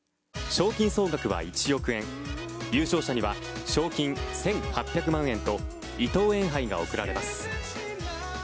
賞金総額は１億円優勝者には賞金１８００万円と伊藤園杯が贈られます。